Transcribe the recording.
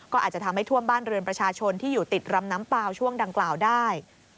ก็อาจจะทำให้ท่วมบ้านเรือนประชาชนที่อยู่ติดรำน้ำเปล่าช่วงดังกล่าวได้